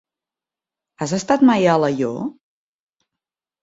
Has estat mai a Alaior?